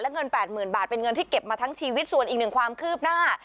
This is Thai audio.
เงิน๘๐๐๐บาทเป็นเงินที่เก็บมาทั้งชีวิตส่วนอีกหนึ่งความคืบหน้า